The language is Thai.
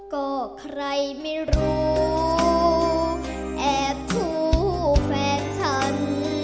ก็ใครไม่รู้แอบชู้แฟนฉัน